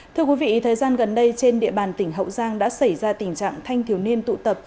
thưa quý vị thời gian gần đây trên địa bàn tỉnh hậu giang đã xảy ra tình trạng thanh thiếu niên tụ tập